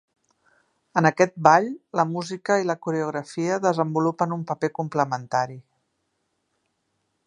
En aquest ball, la música i la coreografia desenvolupen un paper complementari.